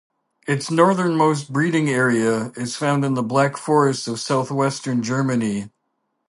Its northernmost breeding area is found in the Black Forest of southwestern Germany.